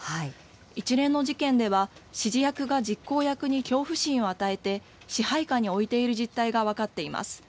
一連の事件では、指示役が実行役に恐怖心を与えて、支配下に置いている実態が分かっています。